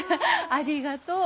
ありがとう。